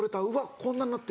こんなんなってる。